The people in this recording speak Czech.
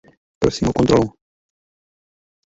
Prosím o kontrolu.